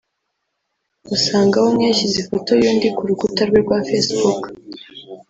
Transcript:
usangaho umwe yashyize ifoto y’undi k’urukuta rwe rwa facebook